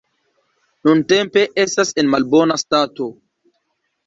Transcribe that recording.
Nuntempe estas en malbona stato.